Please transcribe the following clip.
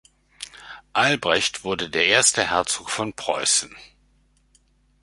Albrecht wurde der erste Herzog von Preußen.